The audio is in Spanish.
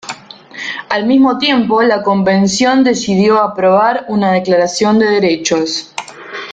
Al mismo tiempo, la convención decidió aprobar una declaración de derechos.